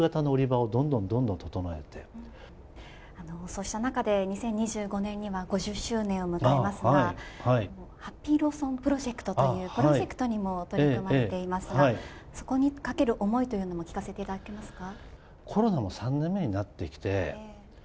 そうした中で２０２５年には５０周年を迎えますがハッピーローソンプロジェクトというプロジェクトにも取り組まれていますがそこにかける思いというのも聞かせていただけますか。